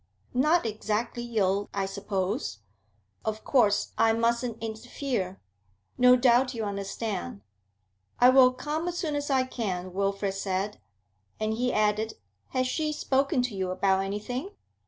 'Not exactly ill, I suppose. Of course I mustn't interfere. No doubt you understand.' 'I will come as soon as I can,' Wilfrid said. And he added, 'Has she spoken to you about anything?'